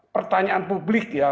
pertanyaan publik ya